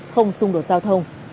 không xung đột giao thông